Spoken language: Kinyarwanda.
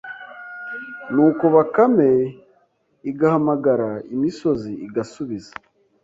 Nuko Bakame igahamagara imisozi igasubiza